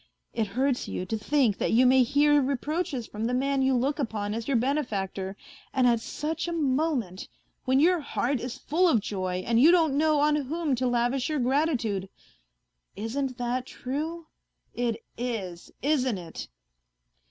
It hurts you to think that you may hear reproaches from the man you look upon as your benefactor and at such a moment ! when your heart is full of joy and you don't know on whom to lavish your gratitude. ... Isn't that true ? It is, isn't it